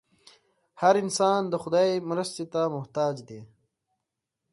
هر انسان د خدای مرستې ته محتاج دی.